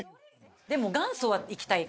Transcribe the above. でも元祖はいきたいかな。